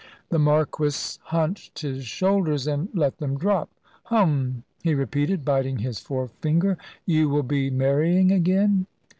The Marquis hunched his shoulders and let them drop. "Hum," he repeated, biting his forefinger; "you will be marrying again?"